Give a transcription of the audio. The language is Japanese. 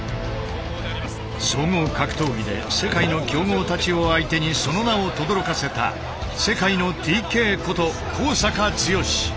総合格闘技で世界の強豪たちを相手にその名をとどろかせた世界のＴＫこと阪剛。